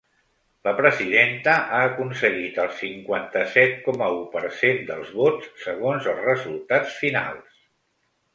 La presidenta ha aconseguit el cinquanta-set coma u per cent dels vots, segons els resultats finals.